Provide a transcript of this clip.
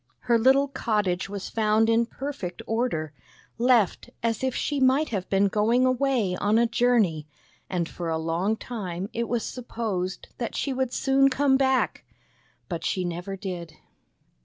Her little cottage was found in perfect order, left as if she might have been going away on a journey, and for a long time it was sup posed that she would soon come back. But she never did.